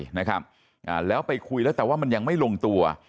เด็ดอิดไปนะครับแล้วไปคุยแล้วแต่ว่ามันยังไม่ลงตัว